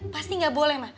pasti gak boleh ma